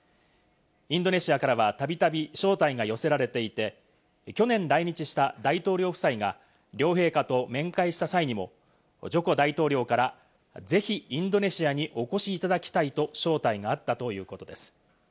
インドネシアからはたびたび招待が寄せられていて、去年来日した大統領夫妻が、両陛下と面会した際にもジョコ大統領からぜひインドネシアにお越しいただきたいと招待があったということです。